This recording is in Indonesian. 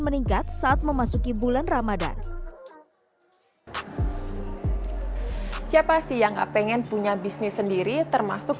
meningkat saat memasuki bulan ramadhan siapa sih yang gak pengen punya bisnis sendiri termasuk